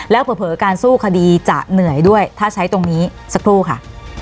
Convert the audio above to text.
แล้วเผลอการสู้คดีจะเหนื่อยด้วยถ้าใช้ตรงนี้สักครู่ค่ะ